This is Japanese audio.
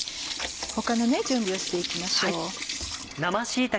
他の準備をして行きましょう。